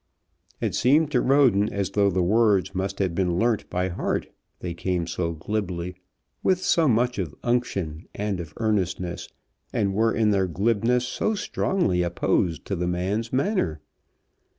It seemed to Roden as though the words must have been learnt by heart, they came so glibly, with so much of unction and of earnestness, and were in their glibness so strongly opposed to the man's manner.